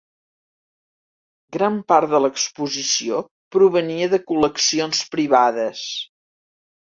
Gran part de l'exposició provenia de col·leccions privades.